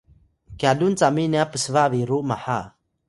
kyalun cami nya psba biru maha